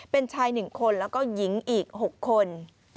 เป็นชาย๑คนแล้วก็หญิงอีก๖คน